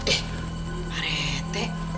eh pak kades